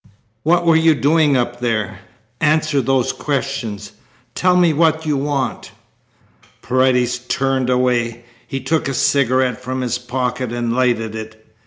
What were you doing up there? Answer those questions. Tell me what you want." Paredes turned away. He took a cigarette from his pocket and lighted it.